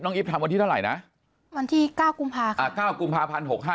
น้องอีฟทำวันที่เท่าไหร่นะวันที่เก้ากุมภาค่ะอ่าเก้ากุมภาพันหกห้า